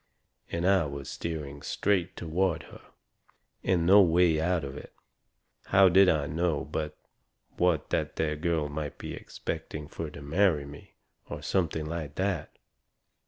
And I was steering straight toward her, and no way out of it. How did I know but what that there girl might be expecting fur to marry me, or something like that?